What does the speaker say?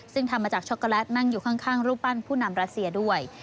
ซึ่งทำมาจากช็อกโกแลตนั่งอยู่ข้างรูปปั้นผู้นำรัสเซียด้วย